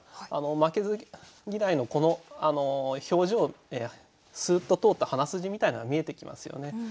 負けず嫌いの子の表情スーッと通った鼻筋みたいなの見えてきますよね。